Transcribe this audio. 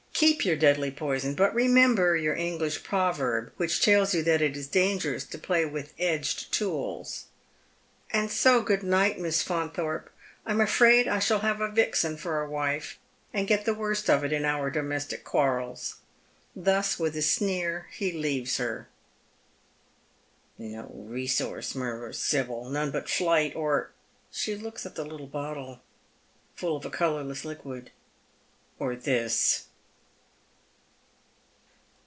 Keep /our deadly poison, but remember your English proverb whion tells you that it is dangerous to play with edged tools. And bo On the Threshold of a Discovery. 267 good night, Miss Faunthorpe, I'm afraid I shall have a vixen for a wife, and get the worst of it in our domestic quarrels." Thus, with a sneer, he leaves her. " No resource," murmurs Sibyl, " none but fli^^ht — or —" she looks at the Uttle bottle, full of a colourless liquid—" or this."